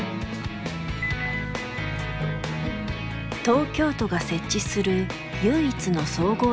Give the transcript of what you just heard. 東京都が設置する唯一の総合大学。